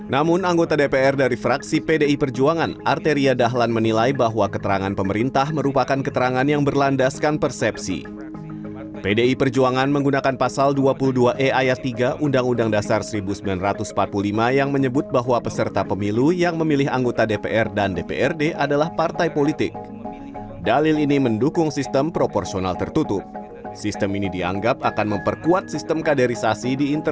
namun anggota dpr fraksi golkar supriyansa mengatakan bahwa dalil para pemohon tidak tepat